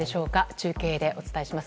中継でお伝えします。